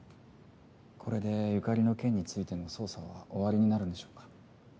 これで由香里の件についての捜査は終わりになるんでしょうか？